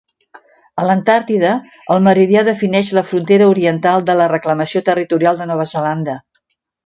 A l'Antàrtida, el meridià defineix la frontera oriental de la reclamació territorial de Nova Zelanda.